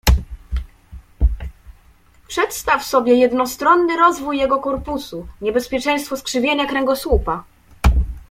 "Przedstaw sobie jednostronny rozwój jego korpusu, grożące niebezpieczeństwo skrzywienia kręgosłupa."